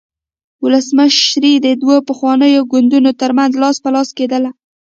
ولسمشري د دوو پخوانیو ګوندونو ترمنځ لاس په لاس کېدل.